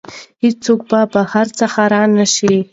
هیڅوک به بهر څخه را نه شي.